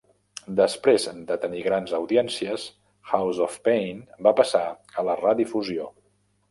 Després de tenir grans audiències, "House of Payne" va passar a la redifusió.